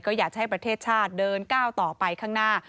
ก็อยากจะให้ประเทศชาติเดินก้าวต่อไปข้างหน้า